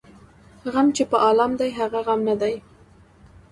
ـ غم چې په عالم دى هغه غم نه دى.